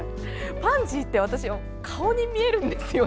パンジーって私顔に見えるんですよね。